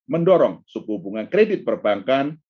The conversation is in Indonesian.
mendorong suku bunga kredit perbankan